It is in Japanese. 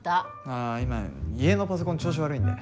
ああ今家のパソコン調子悪いんで。